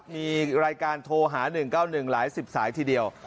มีรายการโทรหา๑๙๑หลาย๑๐สายทีเดียว